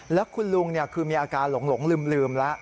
แล้วคุณลุงคือมีอาการหลงลืมแล้ว